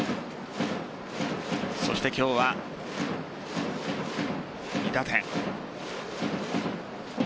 そして今日は２打点。